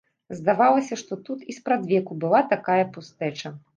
Здавалася, што тут і спрадвеку была такая пустэча.